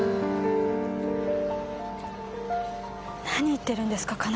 何言ってるんですか？